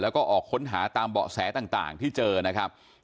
แล้วก็ออกค้นหาตามเบาะแสต่างที่เจอนะครับ